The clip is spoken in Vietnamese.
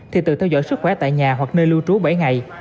thì tự theo dõi sức khỏe tại nhà hoặc nơi lưu trú bảy ngày